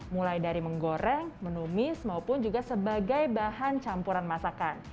mulai dari menggoreng menumis maupun juga sebagai bahan campuran masakan